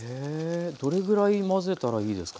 どれぐらい混ぜたらいいですか？